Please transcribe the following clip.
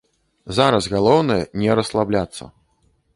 Зараз галоўнае не расслабляцца.